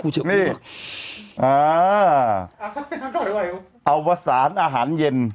นี่อ่าอ้าววาศันท์อาหารเย็น